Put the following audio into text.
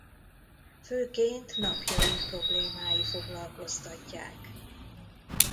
Főként napjaink problémái foglalkoztatják.